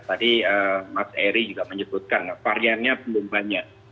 tadi mas eri juga menyebutkan variannya belum banyak